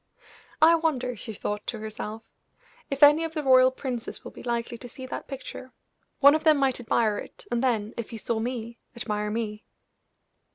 "I wonder," she thought to herself, "if any of the royal princes will be likely to see that picture. One of them might admire it, and then, if he saw me, admire me."